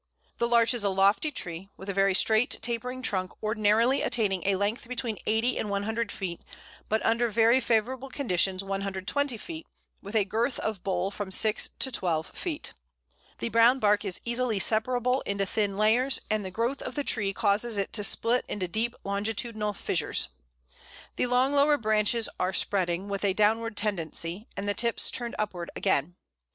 ] The Larch is a lofty tree, with a very straight tapering trunk ordinarily attaining a length between 80 and 100 feet, but under very favourable conditions 120 feet, with a girth of bole from 6 to 12 feet. The brown bark is easily separable into thin layers, and the growth of the tree causes it to split into deep longitudinal fissures. The long lower branches are spreading, with a downward tendency, and the tips turned upward again.